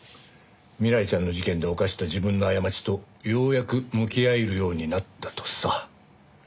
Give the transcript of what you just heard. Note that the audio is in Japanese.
未来ちゃんの事件で犯した自分の過ちとようやく向き合えるようになったとさ。